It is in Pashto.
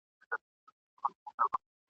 په پنجاب کي و کرونده ته نن هم بهوئين وايي